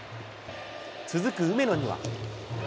続く梅野には。